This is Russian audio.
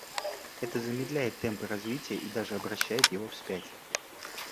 Это замедляет темпы развития и даже обращает его вспять.